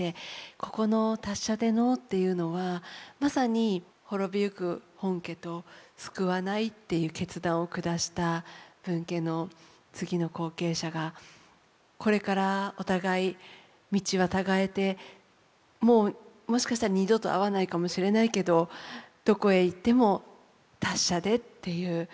ここの「達者でのう」というのはまさに滅びゆく本家と救わないっていう決断を下した分家の次の後継者がこれからお互い道はたがえてもうもしかしたら二度と会わないかもしれないけどどこへ行っても達者でっていう。